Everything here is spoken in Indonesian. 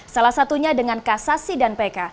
salah satunya dengan kasasi dan pk